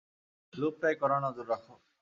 লুপটায় কড়া নজর রাখো।